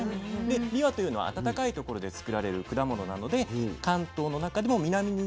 びわというのは暖かい所で作られる果物なので関東の中でも南に位置しています